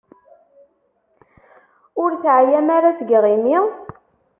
Ur teεyam ara seg yiɣimi?